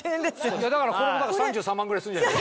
だからこれも３３万ぐらいするんじゃないの？